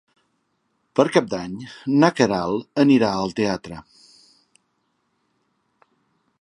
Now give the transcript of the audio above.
Per Cap d'Any na Queralt anirà al teatre.